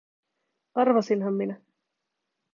Arvasinhan minä.